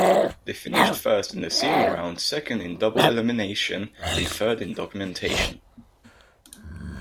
They finished first in the seeding round, second in double-elimination, and third in documentation.